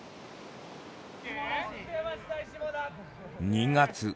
２月。